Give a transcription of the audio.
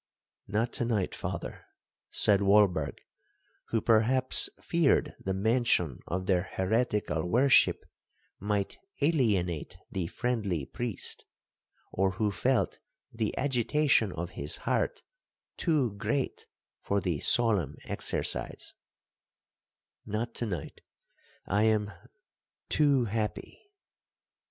'—'Not to night, father,' said Walberg, who perhaps feared the mention of their heretical worship might alienate the friendly priest, or who felt the agitation of his heart too great for the solemn exercise; 'Not to night, I am—too happy!'